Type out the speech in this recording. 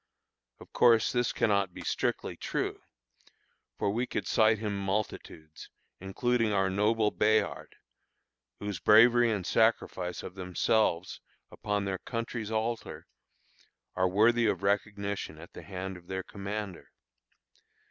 Of course this cannot be strictly true, for we could cite him multitudes, including our noble Bayard, whose bravery and sacrifice of themselves upon their country's altar, are worthy of recognition at the hand of their commander.